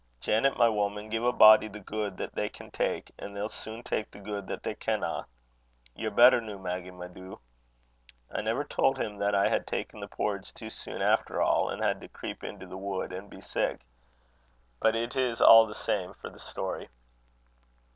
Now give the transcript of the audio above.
'Janet, my woman, gie a body the guid that they can tak', an' they'll sune tak' the guid that they canna. Ye're better noo, Maggy, my doo?' I never told him that I had taken the porridge too soon after all, and had to creep into the wood, and be sick. But it is all the same for the story."